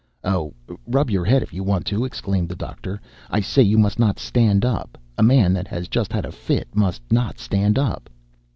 "Oh, rub your head if you want to!" exclaimed the doctor. "I say you must not stand up. A man that has just had a fit must not stand up."